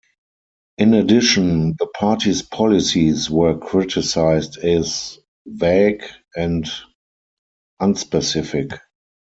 In addition, the party's policies were criticised as vague and unspecific.